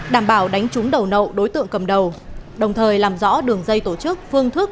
đảm bảo đánh trúng đầu nậu đối tượng cầm đầu đồng thời làm rõ đường dây tổ chức phương thức